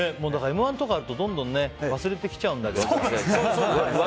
「Ｍ‐１」とかあるとどんどん忘れてきちゃうけど。